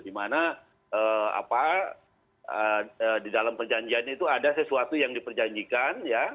dimana di dalam perjanjian itu ada sesuatu yang diperjanjikan ya